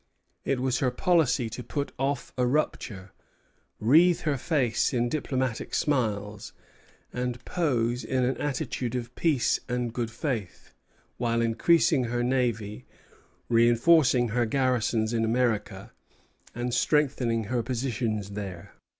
It was her policy to put off a rupture, wreathe her face in diplomatic smiles, and pose in an attitude of peace and good faith, while increasing her navy, reinforcing her garrisons in America, and strengthening her positions there.